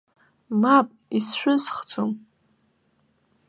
Мап, исшәысхӡом.